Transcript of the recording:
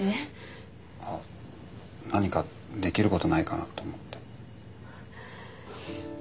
何かできることないかなと思って。